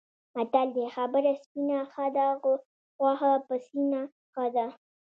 متل دی: خبره سپینه ښه ده، غوښه پسینه ښه ده.